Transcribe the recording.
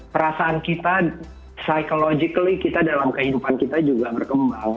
perasaan kita psychologically kita dalam kehidupan kita juga berkembang